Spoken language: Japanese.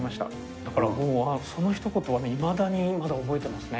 だからそのひと言はいまだにまだ覚えてますね。